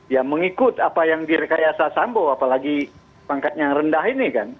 ya mengikut apa yang di rekayasa sampo apalagi pangkatnya yang rendah ini kan